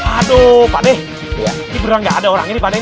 aduh pak d ini beneran gak ada orang ini pak d